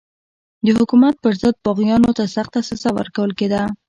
د حکومت پر ضد باغیانو ته سخته سزا ورکول کېده.